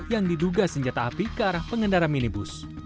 yang diduga senjata api ke arah pengendara minibus